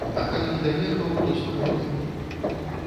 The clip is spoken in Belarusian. А калі і даехаў, то з прыгодамі.